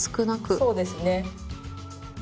そうですね。